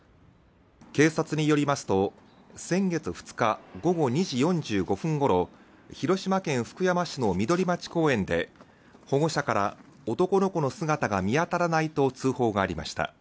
警察によりますと、先月２日午後２時４５分ごろ、広島県福山市の緑町公園で、保護者から男の子の姿が見当たらないと通報がありました。